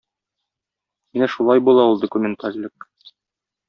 Менә шулай була ул документальлек!